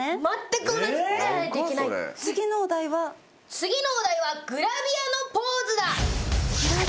次のお題はグラビアのポーズだ。